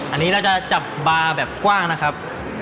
อันนี้เราจะจับบาร์แบบกว้างนะครับ